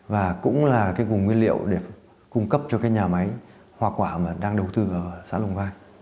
và cũng là cái vùng nguyên liệu để cung cấp cho cái nhà máy hoa quả mà đang đầu tư ở xã lùng vai